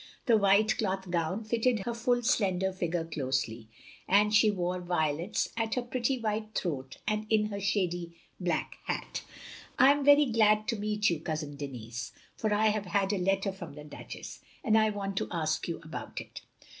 The white cloth gown fitted her ftdl slender figure closely, and she wore violets at her pretty white throat and in her shady black hat. I am very glad to meet you. Cousin Denis, for I have had a letter from the Duchess, and I want to ask you about it.